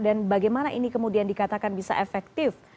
dan bagaimana ini kemudian dikatakan bisa efektif